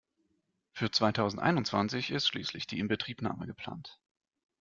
Für zweitausendeinundzwanzig ist schließlich die Inbetriebnahme geplant.